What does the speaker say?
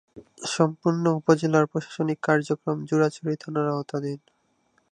সম্পূর্ণ উপজেলার প্রশাসনিক কার্যক্রম জুরাছড়ি থানার আওতাধীন।